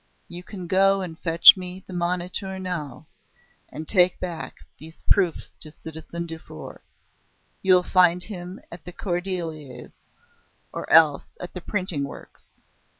You can go and fetch me the Moniteur now, and take back these proofs to citizen Dufour. You will find him at the 'Cordeliers,' or else at the printing works....